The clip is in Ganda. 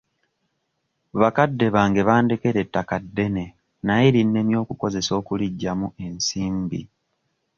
Bakadde bange bandekera ettaka ddene naye linnemye okukozesa okuliggyamu ensimbi.